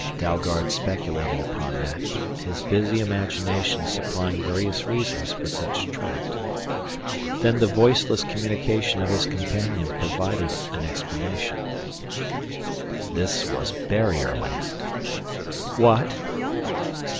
Dalgard speculated upon that, his busy imagination supplying various reasons for such tract. Then the voiceless communication of his companion provided an explanation. "This was barrier land." "What?"